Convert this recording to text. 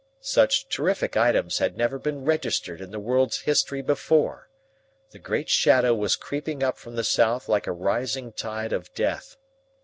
Such terrific items had never been registered in the world's history before. The great shadow was creeping up from the south like a rising tide of death.